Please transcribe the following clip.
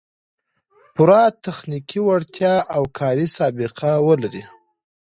پوره تخنیکي وړتیا او کاري سابقه و لري